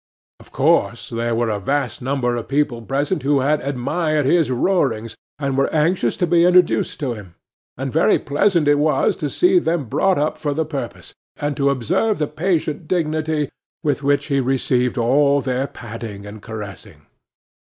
Of course, there were a vast number of people present who had admired his roarings, and were anxious to be introduced to him; and very pleasant it was to see them brought up for the purpose, and to observe the patient dignity with which he received all their patting and caressing.